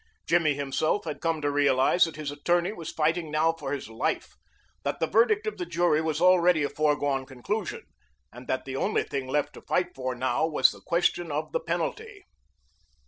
Jimmy himself had come to realize that his attorney was fighting now for his life, that the verdict of the jury was already a foregone conclusion and that the only thing left to fight for now was the question of the penalty.